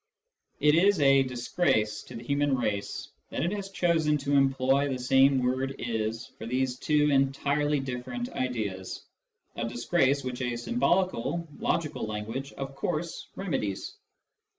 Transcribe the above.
It is a disgrace to the human race that it has chosen to employ the same word " is " for these two entirely different ideas — a disgrace which a symbolic logical language of course remedies.